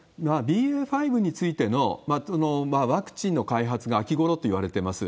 ＢＡ．５についてのワクチンの開発が秋ごろといわれています。